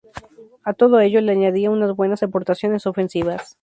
A todo ello le añadía unas buenas aportaciones ofensivas.